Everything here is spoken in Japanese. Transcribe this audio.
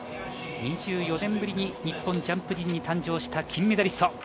２４年ぶりに日本ジャンプ陣に誕生した金メダリスト。